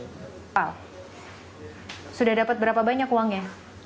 wow sudah dapat berapa banyak uangnya